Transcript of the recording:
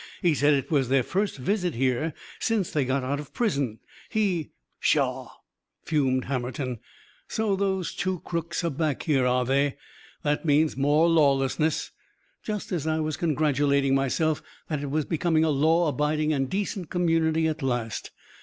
He said it was their first visit here since they got out of prison. He " "Pshaw!" fumed Hammerton. "So those two crooks are back here, are they? That means more lawlessness! Just as I was congratulating myself that it was becoming a law abiding and decent community at last!